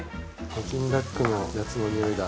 北京ダックのやつのにおいだ